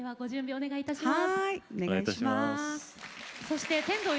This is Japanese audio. お願いします。